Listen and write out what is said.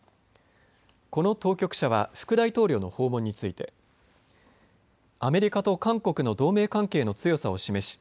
この当局者は副大統領の訪問についてアメリカと韓国の同盟関係の強さを示し